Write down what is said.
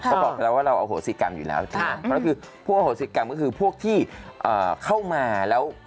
เขาบอกเราว่าเราอโหสิตกรรมอยู่แล้ว